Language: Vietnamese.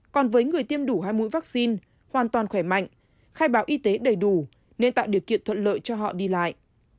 còn với người tiêm đủ hai mũi vaccine hoàn toàn khỏe mạnh khai báo y tế đầy đủ nên tạo điều kiện thuận lợi cho họ đi lại